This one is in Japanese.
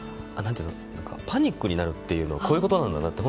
パニックになるというのはこういうことなんだなって。